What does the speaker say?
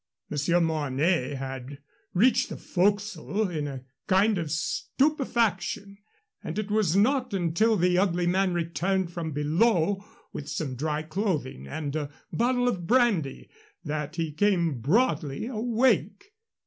Monsieur Mornay had reached the forecastle in a kind of stupefaction, and it was not until the ugly man returned from below with some dry clothing and a bottle of brandy that he came broadly awake.